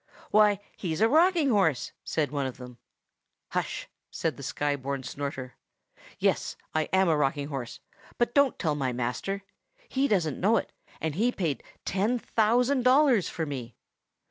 "Why, he's a rocking horse!" said one of them. "Hush!" said the Sky born Snorter. "Yes, I am a rocking horse, but don't tell my master. He doesn't know it, and he paid ten thousand dollars for me."